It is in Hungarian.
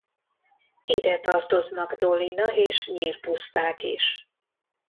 Ide tartoznak Dolina és Nyir puszták is.